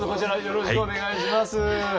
よろしくお願いします。